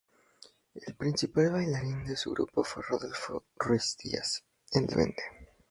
El principal bailarín de su grupo fue Rodolfo Ruiz Díaz, "el Duende".